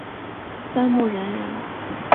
端木仁人。